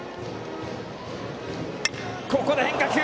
ここで変化球！